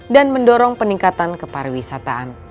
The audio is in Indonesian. dan mendorong peningkatan kepariwisataan